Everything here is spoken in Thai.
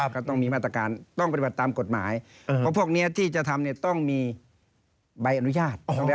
ก็ต้องมีมาตรการต้องปฏิบัติตามกฎหมายเพราะพวกนี้ที่จะทำต้องมีใบอนุญาต